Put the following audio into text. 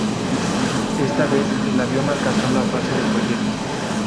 Esta vez, el avión alcanzó la fase de proyecto.